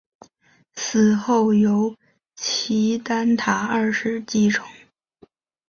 死后由齐丹塔二世继承。